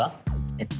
えっと